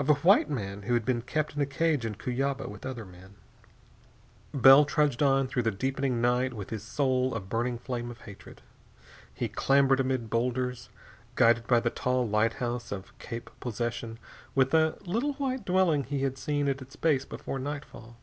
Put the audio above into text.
Of a white man who had been kept in a cage in Cuyaba, with other men.... Bell trudged on through the deepening night with his soul a burning flame of hatred. He clambered amid boulders, guided by the tall lighthouse of Cape Possession with the little white dwelling he had seen at its base before nightfall.